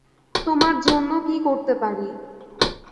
তোমার জন্য কি করতে পারি?